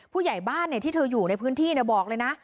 ผู้ใหญ่บ้านที่เธออยู่ในพื้นที่บอกเลยนะ